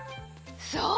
そう！